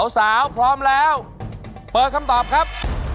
พร้อมแล้วเปิดคำตอบครับ